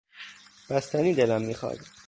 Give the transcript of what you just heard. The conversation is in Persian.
بستنی دلم میخواد.